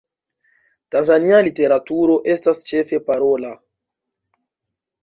Tanzania literaturo estas ĉefe parola.